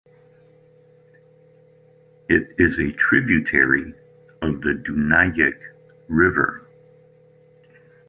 It is a tributary of the Dunajec River.